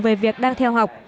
về việc đang theo học